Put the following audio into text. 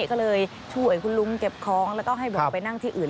ก็เลยช่วยคุณลุงเก็บของแล้วก็ให้บอกไปนั่งที่อื่น